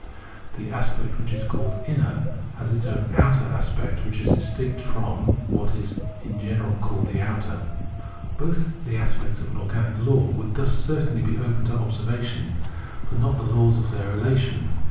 The aspect which is called "inner" has its own ''outer" aspect, which is distinct from what is in general called the outer. Both the aspects of an organic law would thus certainly be open to observation, but not the laws of their relation.